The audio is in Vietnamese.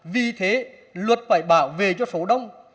vì thế luật phải bảo vệ cho số đông